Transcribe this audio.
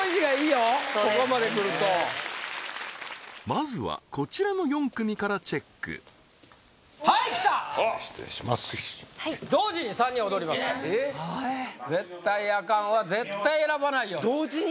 ここまでくるとまずはこちらの４組からチェックはい来たあっ同時に３人踊りますから絶対アカンは絶対選ばないように同時に？